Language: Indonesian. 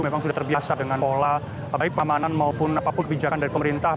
memang sudah terbiasa dengan pola baik pamanan maupun apapun kebijakan dari pemerintah